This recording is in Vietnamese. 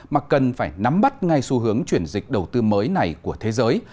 mà cần phải nắm bắt ngay xu hướng chuyển dịch đầu tư mới này của thế giới